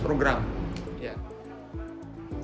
jadi ini adalah program